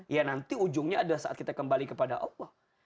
ya nanti ujungnya adalah saat kita kembali kepada allah